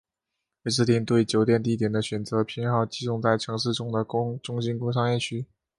威士汀对于酒店地点的选择偏好集中在城市中的中心商业区。